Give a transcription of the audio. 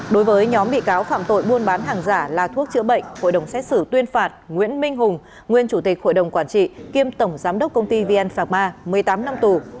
đối với nhóm bị cáo phạm tội buôn bán hàng giả là thuốc chữa bệnh hội đồng xét xử tuyên phạt nguyễn minh hùng nguyên chủ tịch hội đồng quản trị kiêm tổng giám đốc công ty vn phạc ma một mươi tám năm tù